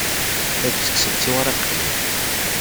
Ad d-tettekkes d tiwriqin.